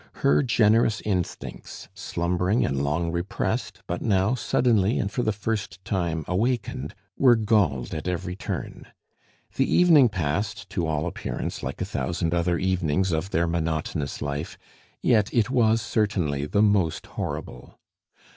Her generous instincts, slumbering and long repressed but now suddenly and for the first time awakened, were galled at every turn. The evening passed to all appearance like a thousand other evenings of their monotonous life, yet it was certainly the most horrible.